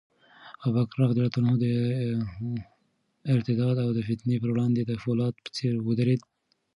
ابوبکر رض د ارتداد د فتنې پر وړاندې د فولاد په څېر ودرېد.